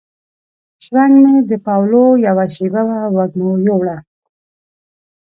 شرنګ مې د پاولو یوه شیبه وه وږمو یووړله